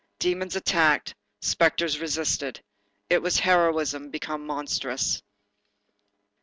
Demons attacked, spectres resisted. It was heroism become monstrous.